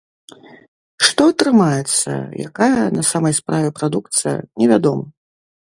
Што атрымаецца, якая на самай справе прадукцыя, невядома.